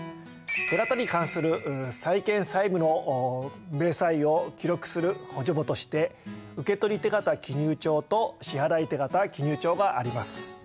手形に関する債権債務の明細を記録する補助簿として受取手形記入帳と支払手形記入帳があります。